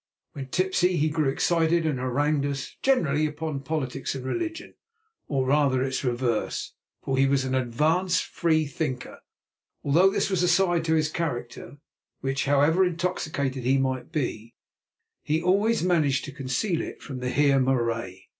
When tipsy, he grew excited and harangued us, generally upon politics and religion, or rather its reverse, for he was an advanced freethinker, although this was a side to his character which, however intoxicated he might be, he always managed to conceal from the Heer Marais.